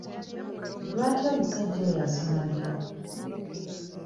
Lwaki omusajja oyo asumagira?